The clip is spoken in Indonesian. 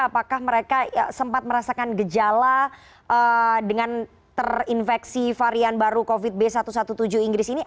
apakah mereka sempat merasakan gejala dengan terinfeksi varian baru covid b satu satu tujuh inggris ini